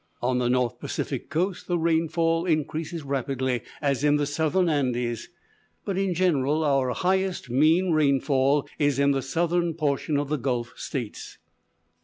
On the North Pacific coast the rainfall increases rapidly, as in the southern Andes; but in general our highest mean rainfall is in the southern portion of the Gulf States.